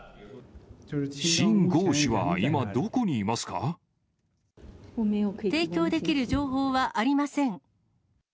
秦剛氏は今、どこにいますか。提供できる情報はありません。